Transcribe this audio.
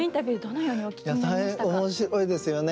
大変面白いですよね。